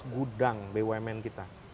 gudang bumn kita